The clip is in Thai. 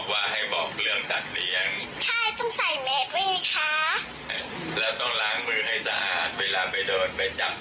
เวลาเราออกข้างนอกโควิดมันติดเวลาจะใช้เจียวรักนะครับ